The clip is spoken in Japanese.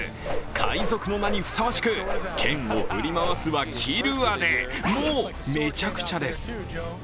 海賊の名にふさわしく剣を振り回すは、切るわでもうめちゃくちゃです。